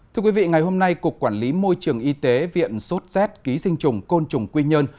thưa quý vị ngày hôm nay cục quản lý môi trường y tế viện sốt z ký sinh trùng côn trùng quy nhơn